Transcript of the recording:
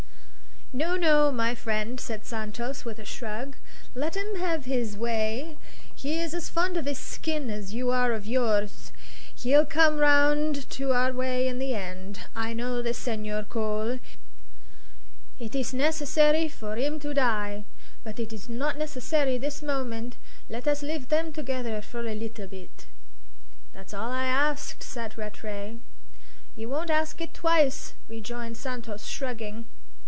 "No, no, my friend," said Santos, with a shrug; "let him have his way. He is as fond of his skeen as you are of yours; he'll come round to our way in the end. I know this Senhor Cole. It is necessary for 'im to die. But it is not necessary this moment; let us live them together for a leetle beet." "That's all I ask," said Rattray. "You won't ask it twice," rejoined Santos, shrugging.